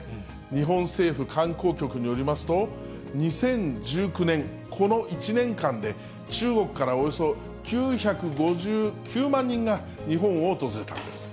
日本政府観光局によりますと、２０１９年、この１年間で中国からおよそ９５９万人が日本を訪れたんです。